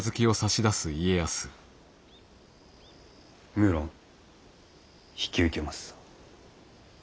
無論引き受けますぞ。